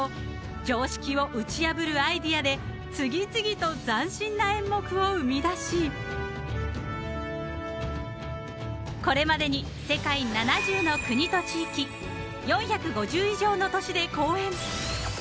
［で次々と斬新な演目を生み出しこれまでに世界７０の国と地域４５０以上の都市で公演］